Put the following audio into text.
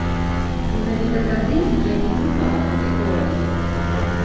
Менавіта тады я і прыдбаў гэты ордэн.